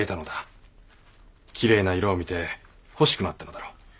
きれいな色を見て欲しくなったのだろう。